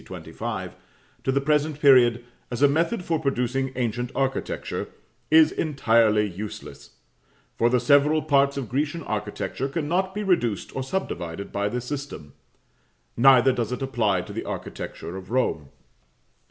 25) to the present period, as a method for producing ancient architecture, is entirely useless, for the several parts of Grecian architecture cannot be reduced or subdivided by this system; neither does it apply to the architecture of Rome.